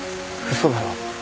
嘘だろ？